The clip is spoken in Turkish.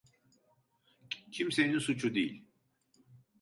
Kimsenin suçu değil.